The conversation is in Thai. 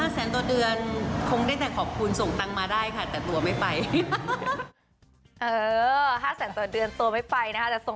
๕แสนต่อเดือนแล้วคงได้แต่ขอบคุณส่งตังมาได้แต่หมันตัวไม่ไป